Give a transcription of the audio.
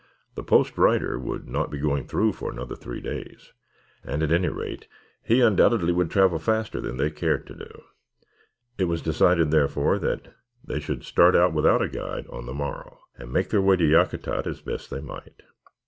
The post rider would not be going through for another three days, and at any rate he undoubtedly would travel faster than they cared to do. It was decided, therefore, that they should start out without a guide on the morrow and make their way to Yakutat as best they might.